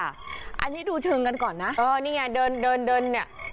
อันนี้ดูเชิงกันก่อนนะเออนี่ไงเดินเดินเนี่ย